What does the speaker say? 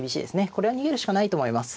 これは逃げるしかないと思います。